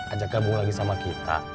ajak gabung lagi sama kita